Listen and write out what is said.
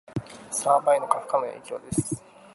サーバへの過負荷の影響です